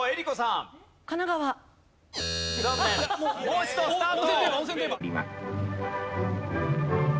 もう一度スタート。